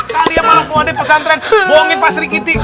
kalian malah mau adek pesantren bohongin pak serikiti